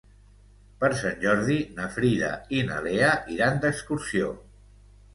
Per Sant Jordi na Frida i na Lea iran d'excursió.